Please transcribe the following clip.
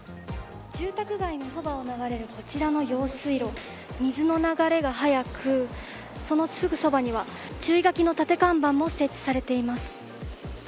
住宅街のそばを流れるこちらの用水路水の流れが速くそのすぐそばには注意書きの立て看板も設置されています。